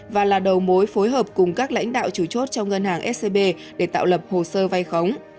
và là đầu mối phối hợp cùng các lãnh đạo chủ chốt trong ngân hàng scb để tạo lập hồ sơ vay khống